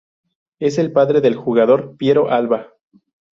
Es el padre del jugador Piero Alva.